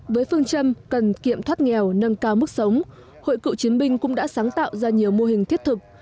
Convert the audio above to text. với phương châm cần kiệm thoát nghèo nâng cao mức sống hội cựu chiến binh cũng đã sáng tạo ra nhiều mô hình thiết thực